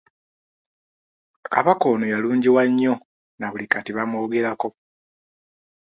Kabaka ono yalungiwa nnyo, na buli kati bamwogerako.